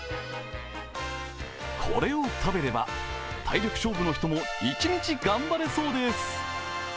これを食べれば、体力勝負の人も一日頑張れそうです。